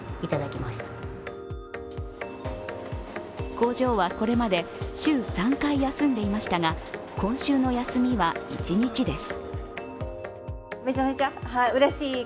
工場はこれまで週３回休んでいましたが、今週の休みは１日です。